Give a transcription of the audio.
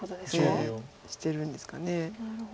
ええしてるんですかね。